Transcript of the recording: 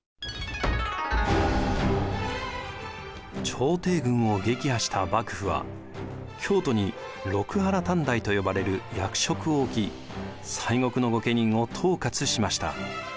朝廷軍を撃破した幕府は京都に六波羅探題と呼ばれる役職を置き西国の御家人を統括しました。